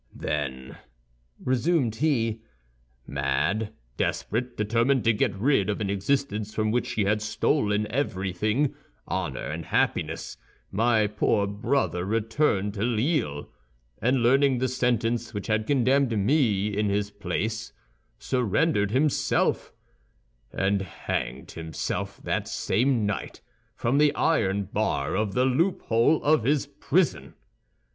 "Then," resumed he, "mad, desperate, determined to get rid of an existence from which she had stolen everything, honor and happiness, my poor brother returned to Lille, and learning the sentence which had condemned me in his place, surrendered himself, and hanged himself that same night from the iron bar of the loophole of his prison.